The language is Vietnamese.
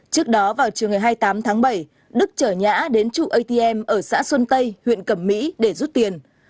trước đó vào chiều ngày hai mươi tám tháng bảy đức chở nhã đến trụ atm ở xã xuân tây huyện cẩm mỹ để rút tiền